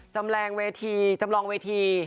จำแรงเวทีจำลองเวที